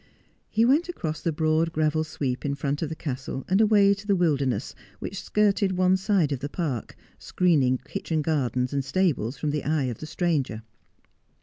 He went across the broad gravel sweep in front of the castle and away to the wilderness, which skirted one side of the park, screening kitchen gardens and stables from the eye of the stranger.